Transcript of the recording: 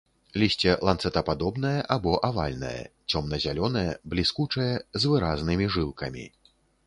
Лісце ланцэтападобнае або авальнае, цёмна-зялёнае, бліскучае, з выразнымі жылкамі.